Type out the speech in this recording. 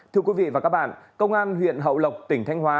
thưa quý vị và các bạn công an huyện hậu lộc tỉnh thanh hóa